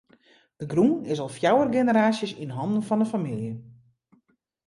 De grûn is al fjouwer generaasjes yn hannen fan de famylje.